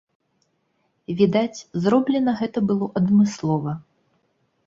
Відаць, зроблена гэта было адмыслова.